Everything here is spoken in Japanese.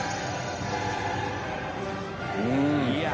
うん！